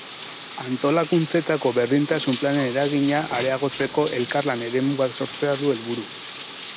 Antolakuntzetako berdintasun planen eragina areagotzeko elkarlan eremu bat sortzea du helburu.